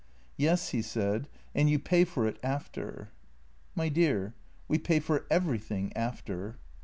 " Yes," he said, " and you pay for it after." " My dear, we pay for everything — after."